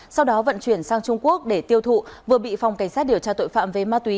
sau đó vận chuyển sang trung quốc để tiêu thụ vừa bị phòng cảnh sát điều tra tội phạm về ma túy